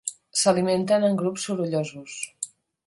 S'alimenten en grups sorollosos.